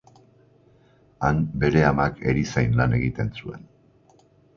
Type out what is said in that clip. Han bere amak erizain lan egiten zuen.